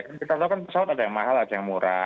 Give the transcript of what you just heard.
kita tahu kan pesawat ada yang mahal ada yang murah